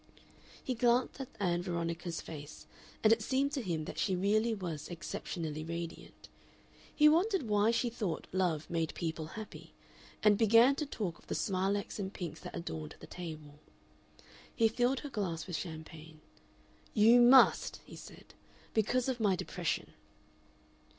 He glanced at Ann Veronica's face, and it seemed to him that she really was exceptionally radiant. He wondered why she thought love made people happy, and began to talk of the smilax and pinks that adorned the table. He filled her glass with champagne. "You MUST," he said, "because of my depression."